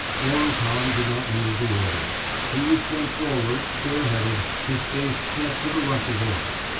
'* ''Long Tom ^' did not need the order. He was bent forward, bareheaded, his face set to the rush of air.